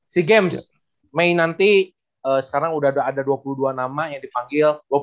sea games mei nanti sekarang udah ada dua puluh dua nama yang dipanggil